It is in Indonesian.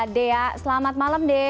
dea selamat malam dea